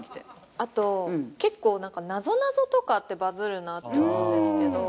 あと結構なんかなぞなぞとかってバズるなって思うんですけど。